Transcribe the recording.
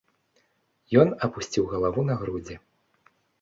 Ён апусціў галаву на грудзі.